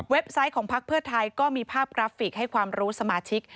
ไซต์ของพักเพื่อไทยก็มีภาพกราฟิกให้ความรู้สมาชิก